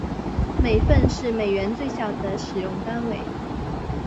美分是美元最小的使用单位。